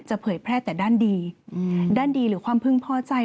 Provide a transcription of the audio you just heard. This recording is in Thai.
เผยแพร่แต่ด้านดีด้านดีหรือความพึงพอใจ